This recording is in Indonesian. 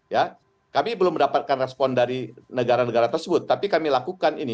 ya kami belum mendapatkan respon dari negara negara tersebut tapi kami lakukan ini